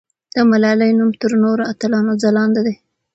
د ملالۍ نوم تر نورو اتلانو ځلانده دی.